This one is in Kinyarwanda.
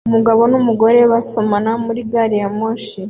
Umugabo n'umugore basomana muri gari ya moshi